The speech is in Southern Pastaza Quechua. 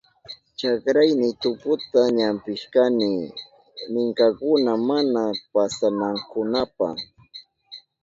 Chakrayni tuputa ñampishkani minkakuna mana pasanankunapa.